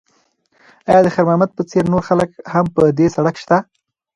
ایا د خیر محمد په څېر نور خلک هم په دې سړک شته؟